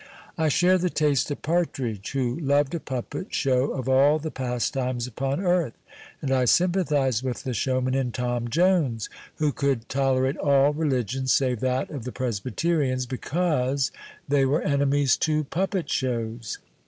I share the taste of Partridge, who " loved a puppet show of all the pastimes uj)on earth,"' and I sympa thize with the showman in " Tom Jones ' who could tolerate all religions save that of the Presbyterians, " because they were enemies to jnippet shows."